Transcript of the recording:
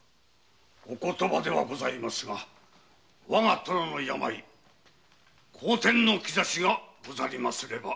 お言葉ではございますが我が殿の病好転の兆しがござりますれば。